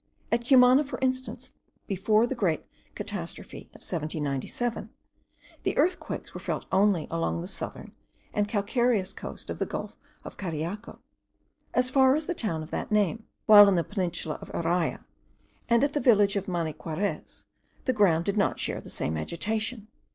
At Cumana, for instance, before the great catastrophe of 1797, the earthquakes were felt only along the southern and calcareous coast of the gulf of Cariaco, as far as the town of that name; while in the peninsula of Araya, and at the village of Maniquarez, the ground did not share the same agitation.